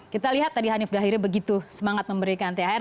kita lihat tadi hanif dahiri begitu semangat memberikan thr